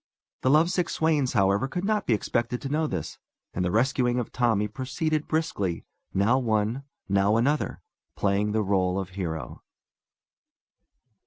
The lovesick swains, however, could not be expected to know of this, and the rescuing of Tommy proceeded briskly, now one, now another, playing the r├┤le of hero.